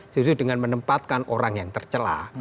jadi dengan menempatkan orang yang tercelah